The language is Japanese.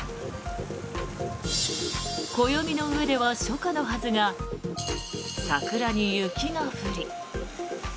暦のうえでは初夏のはずが桜に雪が降り。